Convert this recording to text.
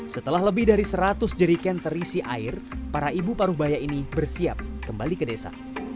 setelah lebih dari seratus jeriken terisi air para ibu paruh baya ini bersiap kembali ke desa